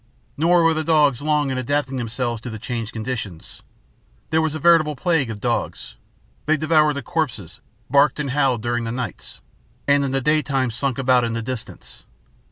Nor were the dogs long in adapting themselves to the changed conditions. There was a veritable plague of dogs. They devoured the corpses, barked and howled during the nights, and in the daytime slunk about in the distance.